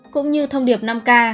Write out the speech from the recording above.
cũng như thông điệp năm k